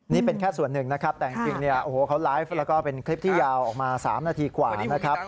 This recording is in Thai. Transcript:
นี่เป็นแค่ส่วนหนึ่งนะครับแต่จริงเนี่ยโอ้โหเขาไลฟ์แล้วก็เป็นคลิปที่ยาวออกมา๓นาทีกว่านะครับ